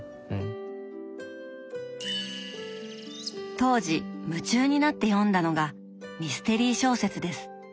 当時夢中になって読んだのがミステリー小説です。